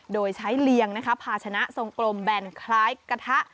โดยใช้เลียงนะคะภาชนะทรงกลมแบนคล้ายกระทะ